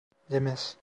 Değmez.